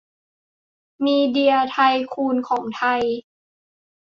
มีเดียไทคูนของไทย